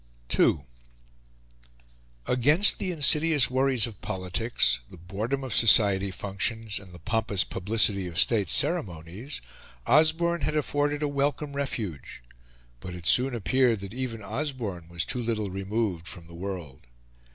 II Against the insidious worries of politics, the boredom of society functions, and the pompous publicity of state ceremonies, Osborne had afforded a welcome refuge; but it soon appeared that even Osborne was too little removed from the world.